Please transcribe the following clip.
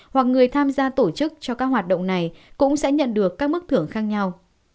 hoặc người tham gia tổ chức cho các hoạt động này cũng sẽ nhận được các mức thưởng khác nhau